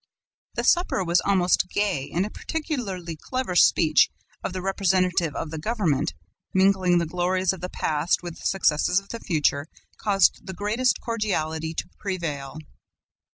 The supper was almost gay and a particularly clever speech of the representative of the government, mingling the glories of the past with the successes of the future, caused the greatest cordiality to prevail.